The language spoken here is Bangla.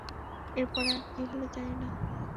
এরপরে আর কি হলো জানি না।